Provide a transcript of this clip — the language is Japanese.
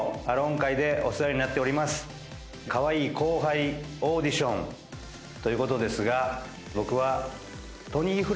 かわいい後輩オーディションということですが。